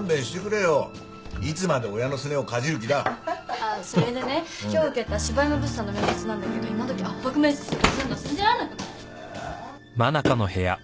ああそれでね今日受けた柴山物産の面接なんだけど今どき圧迫面接とかすんの信じられなくない？え？